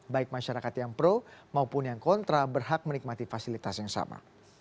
baik masyarakat yang pro maupun yang kontra berhak menikmati fasilitas yang sama